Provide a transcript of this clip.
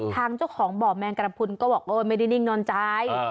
ทางเจ้าของบ่อแมงกระพุนก็บอกโอ้ยไม่ได้นิ่งนอนใจ